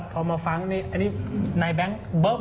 พอมาฟังในแบงค์เบิ้ม